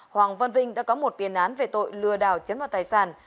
hoàng văn vinh đã có một tiền án về tội lừa đảo chiếm vào tài sản